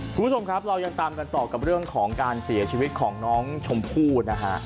คุณผู้ชมครับเรายังตามกันต่อกับเรื่องของการเสียชีวิตของน้องชมพู่นะฮะ